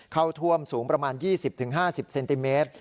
เข้าท่วมสูงประมาณ๒๐๕๐เซนติเมตร